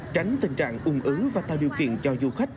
tránh tình trạng ung ứ và tạo điều kiện cho du khách